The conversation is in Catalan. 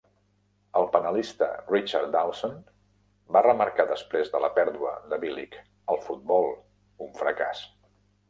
El panelista Richard Dawson va remarcar, després de la pèrdua de Billick: "El futbol: un fracàs.".